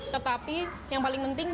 tetapi yang paling penting